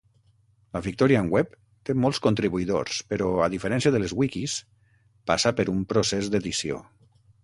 La Victorian Web té molts contribuïdors però, a diferència de les wikis, passa per un procés d'edició.